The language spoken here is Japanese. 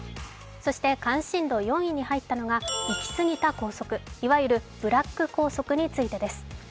そして関心度４位に入ったのがいきすぎた校則いわゆるブラック校則についてです。